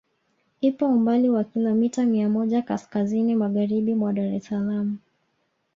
Ipo umbali wa Kilomita mia moja kaskazini Magharibi mwa Dar es Salaam